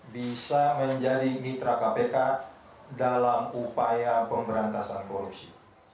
bisa menjadi mitra kpk dalam upaya pemberantasan korupsi